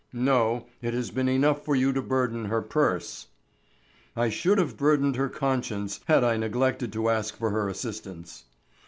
"No, it has been enough for you to burden her purse." "I should have burdened her conscience had I neglected to ask for her assistance."